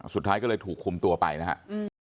สุดท้ายก็เลยถูกคุมตัวไปนะครับ